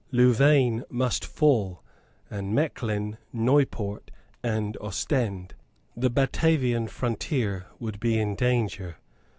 Louvain must fall, and Mechlin, Nieuport, and Ostend. The Batavian frontier would be in danger.